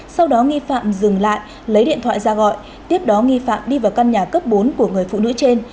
sau đó nghi phạm dừng lại lấy điện thoại ra gọi tiếp đó nghi phạm đi vào căn nhà cấp bốn của người phụ nữ trên